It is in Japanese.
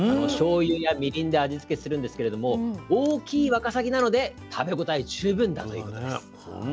しょうゆやみりんで味付けするんですけれども大きいわかさぎなので食べごたえ十分だということです。